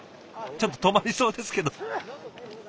ちょっと止まりそうですけど。